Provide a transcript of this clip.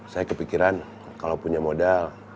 saya kepikiran kalau punya modal